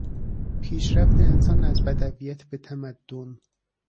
پیشرفت انسان از بدویت به تمدن